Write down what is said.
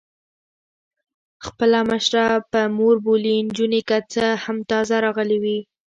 خپله مشره په مور بولي، نجونې که څه هم تازه راغلي وې.